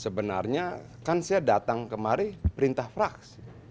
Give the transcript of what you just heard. sebenarnya kan saya datang kemari perintah fraksi